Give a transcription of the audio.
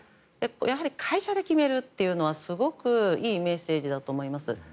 やはり会社で決めるというのはすごくいいメッセージだと思います。